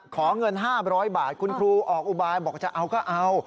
ขอเงิน๕๐๐บาทคุณครูออกอุบายบอกจะเอาก็เอา